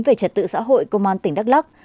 về trật tự xã hội công an tỉnh đắk lắc